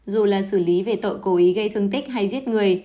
dù là xử lý về tội cố ý gây thương tích hay giết người